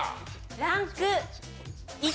ランク１。